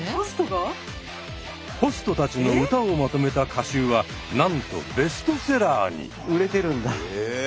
ホストたちの歌をまとめた歌集はなんとベストセラーに。